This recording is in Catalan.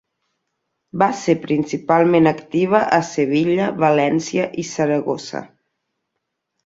Va ser principalment activa a Sevilla, València i Saragossa.